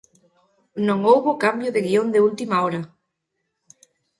Non houbo cambio de guión de última hora.